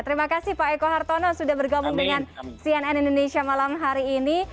terima kasih pak eko hartono sudah bergabung dengan cnn indonesia malam hari ini